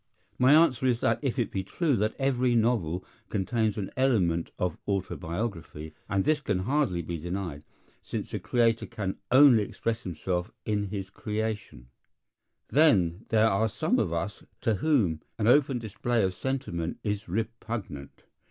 My answer is that if it be true that every novel contains an element of autobiography—and this can hardly be denied, since the creator can only express himself in his creation—then there are some of us to whom an open display of sentiment is repugnant.